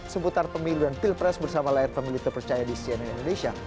seputar pemilu dan pilpres bersama layar pemilu terpercaya di cnn indonesia